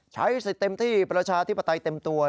ใช้สิทธิ์เต็มที่ประชาธิปไตยเต็มตัว